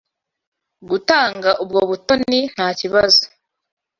Gutanga ubwo butoni ntakibazo.